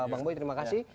bang boy terima kasih